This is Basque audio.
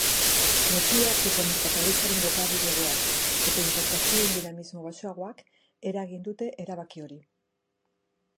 Nazioarteko merkataritzaren jokabide hobeak eta inportazioen dinamismo baxuagoak eragin dute erabaki hori.